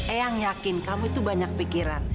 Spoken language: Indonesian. ayang yakin kamu itu banyak benar